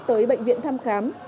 tới bệnh viện thăm khám